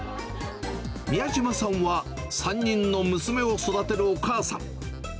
みやじまさんは、３人の娘を育てるお母さん。